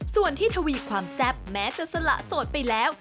ส่วนที่ทวีความแซ่บแม้จะสละโสดไปแล้ว